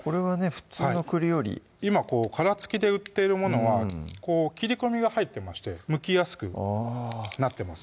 普通の栗より今殻つきで売ってるものはこう切り込みが入ってましてむきやすくなってます